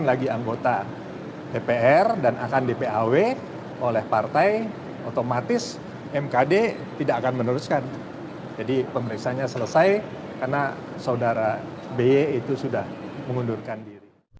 lagi anggota dpr dan akan dpaw oleh partai otomatis mkd tidak akan meneruskan jadi pemeriksaannya selesai karena saudara by itu sudah mengundurkan diri